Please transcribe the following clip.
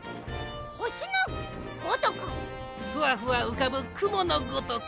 ふわふわうかぶくものごとく。